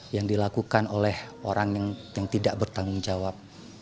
yang dilakukan oleh orang yang tidak bertanggung jawab